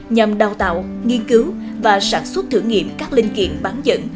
nhằm đào tạo nghiên cứu và sản xuất thử nghiệm các linh kiện bán dẫn